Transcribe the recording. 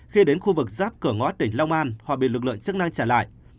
khi đến khu vực giáp cửa ngót tỉnh long an họ bị lực lượng chức năng trả lại